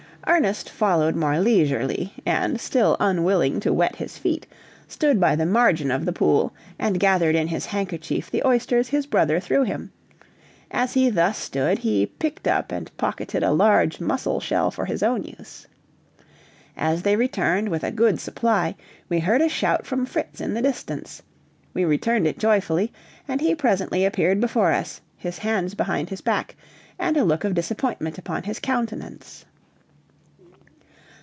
Ernest followed more leisurely, and still unwilling to wet his feet, stood by the margin of the pool and gathered in his handkerchief the oysters his brother threw him; as he thus stood he picked up and pocketed a large mussel shell for his own use. As they returned with a good supply we heard a shout from Fritz in the distance; we returned it joyfully, and he presently appeared before us, his hands behind his back, and a look of disappointment upon his countenance.